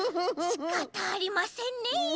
しかたありませんねえ。